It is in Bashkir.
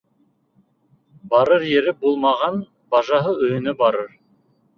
Барыр ере булмаған бажаһы өйөнә барыр.